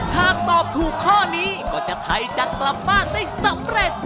ถ้าตอบถูกข้อนี้ก็จะไทยจักรจำไว้ได้สำเร็จ